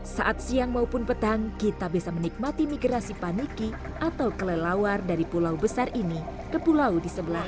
saat siang maupun petang kita bisa menikmati migrasi paniki atau kelelawar dari pulau besar ini ke pulau di sebelah